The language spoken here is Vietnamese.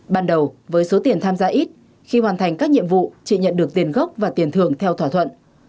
ban đầu với số tiền tham gia ít khi hoàn thành các nhiệm vụ chị nhận được tiền gốc và tiền thưởng theo thỏa thuận